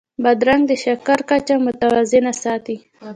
بادرنګ د شکر کچه متوازنه ساتي.